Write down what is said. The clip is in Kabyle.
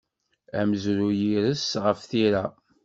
Amezruy ires ɣef tira.